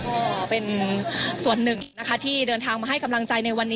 ก็เป็นส่วนหนึ่งนะคะที่เดินทางมาให้กำลังใจในวันนี้